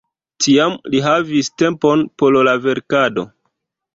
Tiam li havis tempon por la verkado.